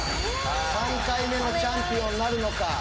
３回目のチャンピオンなるのか？